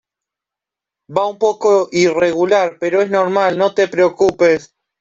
va un poco irregular, pero es normal. no te preocupes .